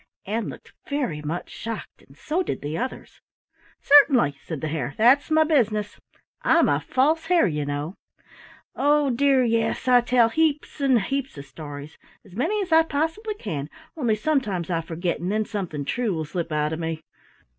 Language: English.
Ann looked very much shocked, and so did the others. "Certainly," said the Hare, "that's my business, I'm a False Hare, you know. Oh, dear, yes, I tell heaps and heaps of stories, as many as I possibly can, only sometimes I forget and then something true will slip out of me.